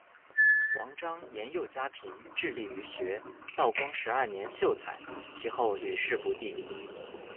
王章年幼家贫，致力于学，道光十二年秀才，其后屡试不第。